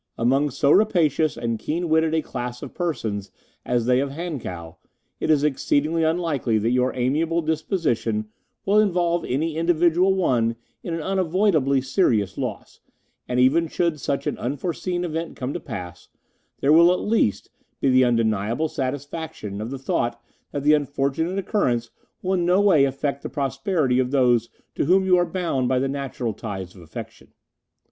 Among so rapacious and keen witted a class of persons as they of Hankow, it is exceedingly unlikely that your amiable disposition will involve any individual one in an unavoidably serious loss, and even should such an unforeseen event come to pass, there will, at least, be the undeniable satisfaction of the thought that the unfortunate occurrence will in no way affect the prosperity of those to whom you are bound by the natural ties of affection.